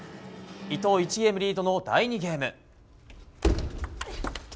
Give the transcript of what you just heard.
伊藤１ゲームリードの第２ゲーム。